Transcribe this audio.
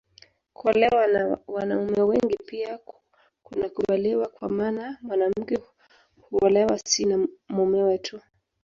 Kuolewa na wanaume wengi pia kunakubaliwa kwa maana mwanamke huolewa si na mumewe tu